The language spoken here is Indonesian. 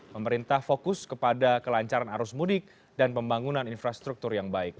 pemerintah fokus kepada kelancaran arus mudik dan pembangunan infrastruktur yang baik